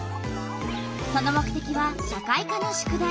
その目てきは社会科の宿題。